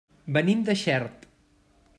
Venim de Xert.